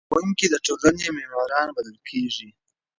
ښوونکي د ټولنې معماران بلل کیږي.